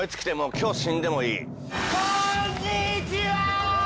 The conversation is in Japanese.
こんにちは！